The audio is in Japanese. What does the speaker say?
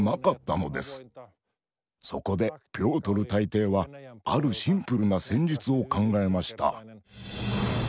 そこでピョートル大帝はあるシンプルな戦術を考えました。